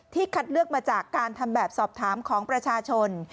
คัดเลือกมาจากการทำแบบสอบถามของประชาชน